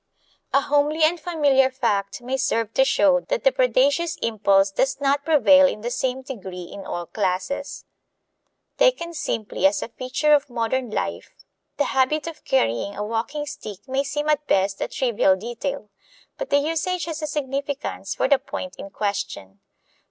A homely and familiar fact may serve to show that the predaceous impulse does not prevail in the same degree in all classes. Taken simply as a feature of modern life, the habit of carrying a walking stick may seem at best a trivial detail; but the usage has a significance for the point in question.